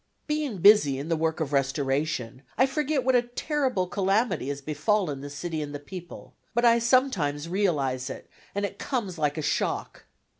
Being busy in the work of restoration, I forget what a terrible calamity has befallen the city and the people, but I sometimes realize it, and it comes like a shock.